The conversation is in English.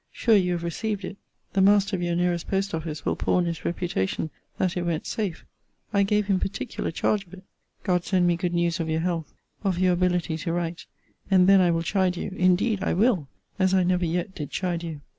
Sure you have received it. The master of your nearest post office will pawn his reputation that it went safe: I gave him particular charge of it. God send me good news of your health, of your ability to write; and then I will chide you indeed I will as I never yet did chide you.